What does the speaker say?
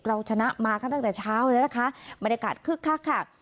เราชนะมาตั้งแต่เช้าเลยนะคะบรรยากาศคึกคัก